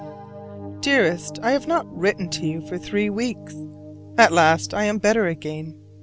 Dearest: I have not written to you for three weeks. At last I am better again.